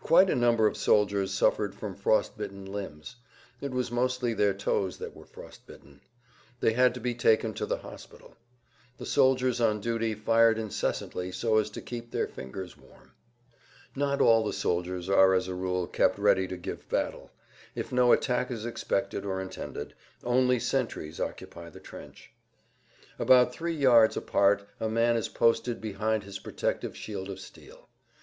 Quite a number of soldiers suffered from frost bitten limbs; it was mostly their toes that were frost bitten. They had to be taken to the hospital. The soldiers on duty fired incessantly so as to keep their fingers warm. Not all the soldiers are as a rule kept ready to give battle. If no attack is expected or intended, only sentries occupy the trench. About three yards apart[Pg 159] a man is posted behind his protective shield of steel.